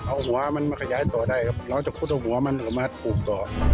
เอาหัวมันมาขยายต่อได้แล้วจะพุดเอาหัวมันมาปลูกต่อ